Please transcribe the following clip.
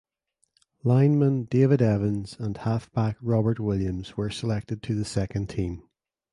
Lineman David Evans and halfback Robert Williams were selected to the second team.